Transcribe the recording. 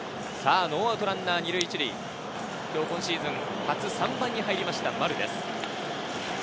ノーアウトランナー１塁２塁、今シーズン初３番に入りました、丸です。